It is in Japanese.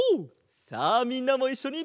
さあみんなもいっしょに！